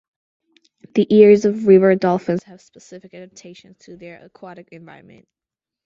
The ears of river dolphins have specific adaptations to their aquatic environment.